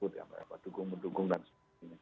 dukung dukung dan sebagainya